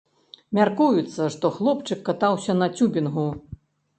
Мяркуецца, што хлопчык катаўся на цюбінгу.